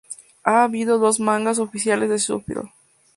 Ha habido dos mangas oficiales de Shuffle!.